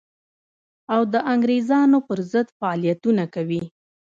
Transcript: او د انګرېزانو پر ضد فعالیتونه کوي.